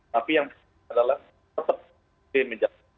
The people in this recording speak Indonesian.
tapi yang penting adalah tetap tiga m